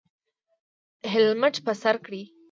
هیلمټ په سر کړئ